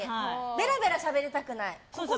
ベラベラしゃべりたくない。